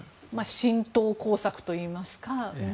浸透工作といいますか。